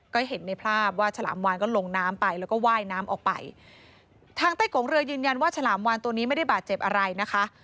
ก็เห็นในภาพว่าฉลามวานก็ลงน้ำไปแล้วก็ว่ายน้ำออกไปทางใต้กงเรือยืนยันว่าฉลามวานตัวนี้ไม่ได้บาดเจ็บอะไรนะคะ